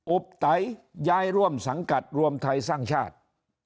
บไตย้ายร่วมสังกัดรวมไทยสร้างชาติ